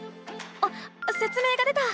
あっせつ明が出た！